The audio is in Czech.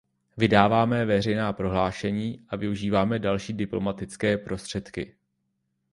Vydáváme veřejná prohlášení a využíváme další diplomatické prostředky.